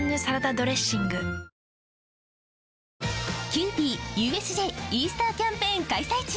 キユーピーＵＳＪイースターキャンペーン開催中！